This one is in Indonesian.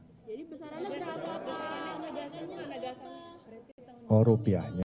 jadi pesanannya berapa pak